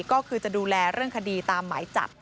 ก็คือจะดูแลเรื่องคดีตามหมายจับ